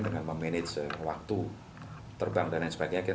dengan memanage waktu terbang dan lain sebagainya